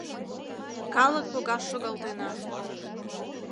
Калык погаш шогалтена.